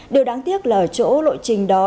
điều đáng tiếc là chỗ lộ trình đó